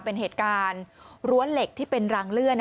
เป็นเหตุการณ์รั้วเหล็กที่เป็นรางเลื่อน